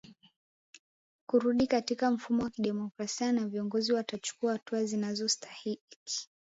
kurudi katika mfumo wa kidemokrasia na viongozi watachukua hatua zinazostahiki